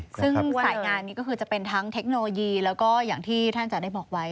ซึ่งสายงานนี้ก็คือจะเป็นทั้งเทคโนโลยีแล้วก็อย่างที่ท่านอาจารย์ได้บอกไว้